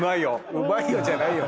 「うまいよ」じゃないよ。